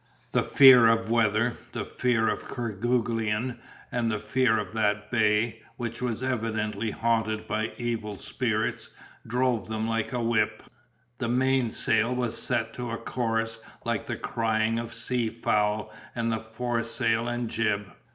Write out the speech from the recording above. The fear of weather, the fear of Kerguelen, and the fear of that bay, which was evidently haunted by evil spirits, drove them like a whip. The mainsail was set to a chorus like the crying of sea fowl and the foresail and jib.